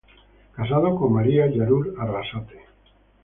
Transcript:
Casado con María Yarur Arrasate.